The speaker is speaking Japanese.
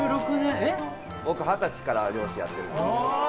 僕、二十歳から漁師やってるので。